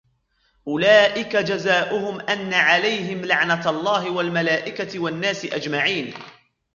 أولئك جزاؤهم أن عليهم لعنة الله والملائكة والناس أجمعين